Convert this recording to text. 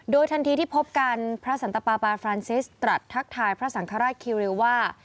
ทันทีที่พบกันพระสันตปาบาฟรานซิสตรัสทักทายพระสังฆราชคิริวว่า